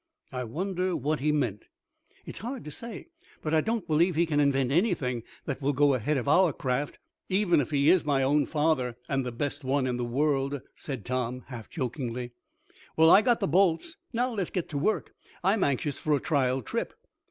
"I wonder what he meant?" "It's hard to say. But I don't believe he can invent anything that will go ahead of our craft, even if he is my own father, and the best one in the world," said Tom, half jokingly. "Well, I got the bolts, now let's get to work. I'm anxious for a trial trip."